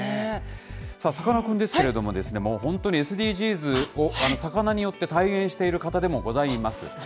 さあ、さかなクンですけれども、もう本当にＳＤＧｓを、魚によって体現している方でもございます。